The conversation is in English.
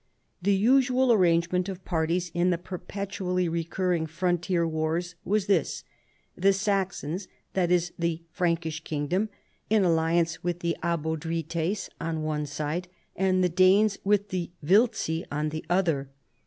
The usual arrangement of parties in the perpetually re curring frontier wars was this : the Saxons (that is the Frankish kingdom) in alliance with the Abodrites on one side, and the Danes with the Wiltzi on the other.